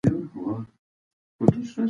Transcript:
کنګلونه ورو ورو ويلي کېږي.